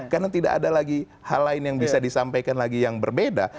karena tidak ada lagi hal lain yang bisa disampaikan lagi yang berbeda